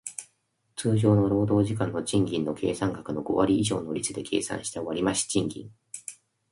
通常の労働時間の賃金の計算額の五割以上の率で計算した割増賃金